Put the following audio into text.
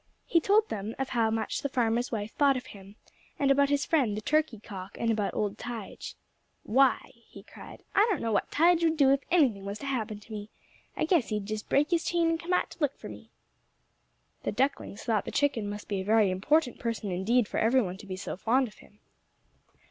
He told them of how much the farmer's wife thought of him, and about his friend the turkey cock, and about old Tige. "Why," he cried, "I don't know what Tige would do if anything was to happen to me. I guess he'd just break his chain and come out to look for me." The ducklings thought the chicken must be a very important person indeed for every one to be so fond of him.